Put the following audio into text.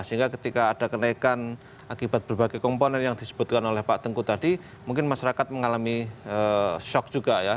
sehingga ketika ada kenaikan akibat berbagai komponen yang disebutkan oleh pak tengku tadi mungkin masyarakat mengalami shock juga ya